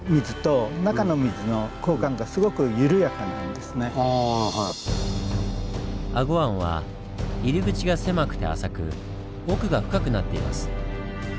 そのために英虞湾は入り口が狭くて浅く奥が深くなっています。